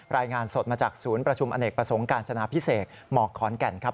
รายงานสดมาจากศูนย์ประชุมอเนกประสงค์การจนาพิเศษหมอกขอนแก่นครับ